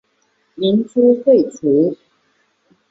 民初废除。